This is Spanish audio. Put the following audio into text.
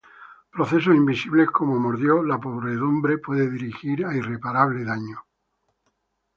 Procesos invisibles como mordió la podredumbre puede dirigir a irreparable daño.